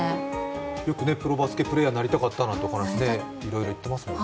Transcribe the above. よく、プロバスケプレーヤーになりたかったって言ってますもんね。